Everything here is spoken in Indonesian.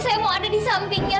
saya mau ada disampingnya